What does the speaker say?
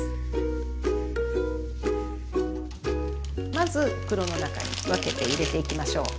まず袋の中に分けて入れていきましょう。